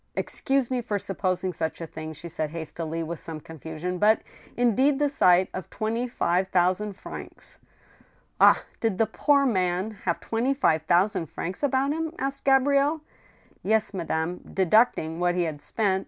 " Excuse me for supposing such a thing," she said, hastily, with some confusion, "but, indeed, the sight of twenty five thousand francs —"*' Ah I did the poor man have twenty five thousand francs about him ?" asked Gabrielle. Yes, madame, deducting what he had spent.